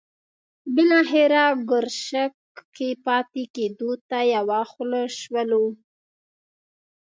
بالاخره ګرشک کې پاتې کېدو ته یو خوله شولو.